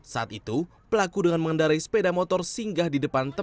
saat itu pelaku dengan mengendarai sepeda motor singgah di depan